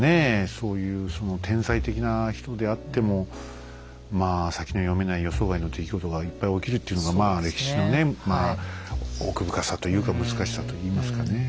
そういうその天才的な人であってもまあ先の読めない予想外の出来事がいっぱい起きるっていうのがまあ歴史のねまあ奥深さというか難しさといいますかねえ。